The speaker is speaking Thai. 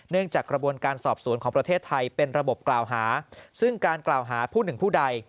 จากกระบวนการสอบสวนของประเทศไทยเป็นระบบกล่าวหาซึ่งการกล่าวหาผู้หนึ่งผู้ใด